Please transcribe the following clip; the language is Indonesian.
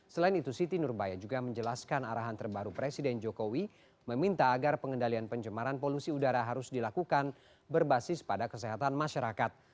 selain itu siti nurbaya juga menjelaskan arahan terbaru presiden jokowi meminta agar pengendalian pencemaran polusi udara harus dilakukan berbasis pada kesehatan masyarakat